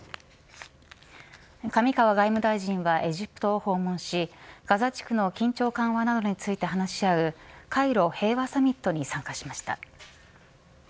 上川外務大臣はエジプトを訪問しガザ地区の緊張緩和などについて話し合うカイロ平和サミットに参加しました。